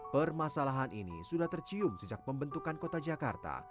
permasalahan ini sudah tercium sejak pembentukan kota jakarta